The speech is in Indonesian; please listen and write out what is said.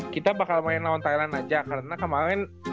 kita bakal main lawan thailand aja karena kemarin